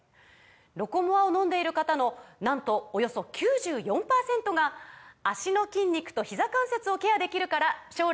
「ロコモア」を飲んでいる方のなんとおよそ９４％が「脚の筋肉とひざ関節をケアできるから将来も安心！」とお答えです